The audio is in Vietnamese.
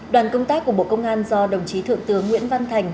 đoàn công tác của bộ công an do đồng chí thượng tướng nguyễn văn thành